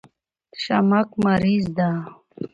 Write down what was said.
شمک مریض ده